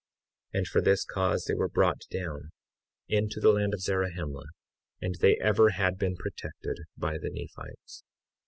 53:12 And for this cause they were brought down into the land of Zarahemla; and they ever had been protected by the Nephites.